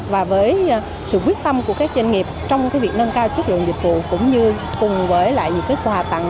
và với sự quyết tâm của các doanh nghiệp trong việc nâng cao chất lượng dịch vụ cũng như cùng với lại những kết quả tặng